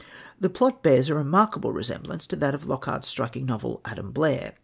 The plot bears a remarkable resemblance to that of Lockhart's striking novel, Adam Blair.